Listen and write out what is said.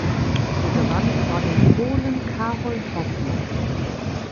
Er gewann vor dem Polen Karol Hoffmann.